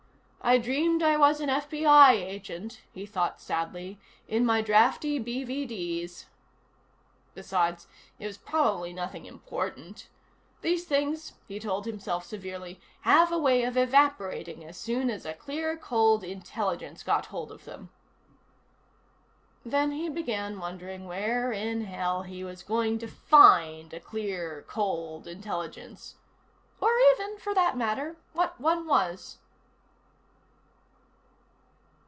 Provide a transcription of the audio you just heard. I dreamed I was an FBI agent, he thought sadly, in my drafty BVDs. Besides, it was probably nothing important. These things, he told himself severely, have a way of evaporating as soon as a clear, cold intelligence got hold of them. Then he began wondering where in hell he was going to find a clear, cold intelligence. Or even, for that matter, what one was.